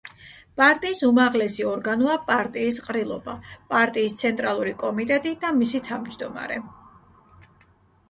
პარტიის უმაღლესი ორგანოა პარტიის ყრილობა, პარტიის ცენტრალური კომიტეტი და მისი თავმჯდომარე.